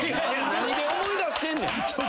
何で思い出してんねん？